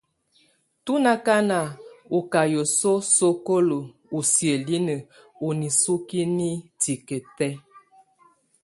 Tú nà kana ú ká yǝsuǝ́ sokolo u siǝ́linǝ ù nisukiǝ̀ ni tikǝ tɛ̀á.